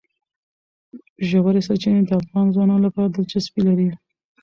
ژورې سرچینې د افغان ځوانانو لپاره دلچسپي لري.